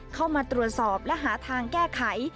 เข้ามาตรวจสอบและหาทางแก้ไข